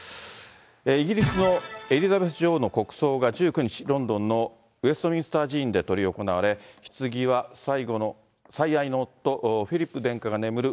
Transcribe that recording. イギリスのエリザベス女王の国葬が１９日、ロンドンのウェストミンスター寺院で執り行われ、ひつぎは、最愛の夫、フィリップ殿下が眠る